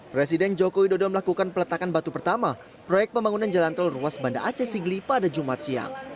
presiden jokowi dodo melakukan peletakan batu pertama proyek pembangunan jalan tol ruas banda aceh sigli pada jumat siang